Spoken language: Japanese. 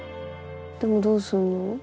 でもどうすんの？